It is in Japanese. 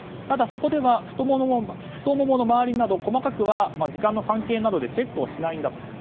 ただ、そこでは太ももの回りなど細かくは時間の関係などでチェックしないんだと。